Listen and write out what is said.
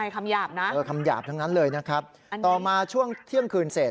คำหยาบนะเออคำหยาบทั้งนั้นเลยนะครับต่อมาช่วงเที่ยงคืนเสร็จ